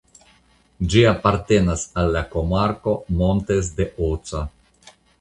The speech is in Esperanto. Ĝi apartenas al la komarko "Montes de Oca".